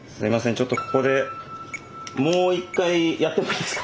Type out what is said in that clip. ちょっとここでもう一回やってもいいですか？